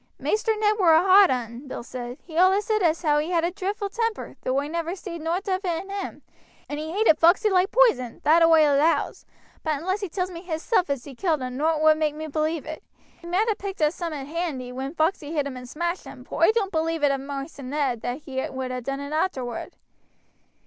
"Maister Ned were a hot 'un," Bill said; "he allus said as how he had a dreadful temper, though oi never seed nowt of it in him, and he hated Foxey like poison; that oi allows; but unless he tells me hisself as he killed him nowt will make me believe it. He might ha' picked up summat handy when Foxey hit him and smashed him, but oi don't believe it of Maister Ned as he would ha done it arterward."